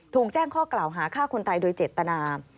ถูกแจ้งข้อกล่าวหาฆ่าคนตายโดยเจตนา